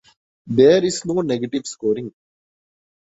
There is no negative scoring.